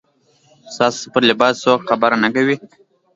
ستاسو پر لباس څوک خبره نه کوي.